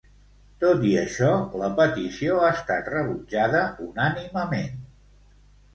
Tot i això, la petició ha estat rebutjada unànimement.